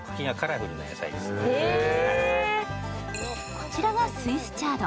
こちらがスイスチャード。